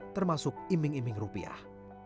termasuk iming iming rupiah